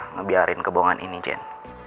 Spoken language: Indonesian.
ngebiarin kebohongan ini jen